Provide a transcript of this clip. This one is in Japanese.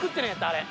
あれ。